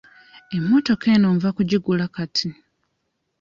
Emmotoka eno nva kugigula kati.